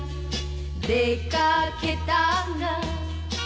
「出掛けたが」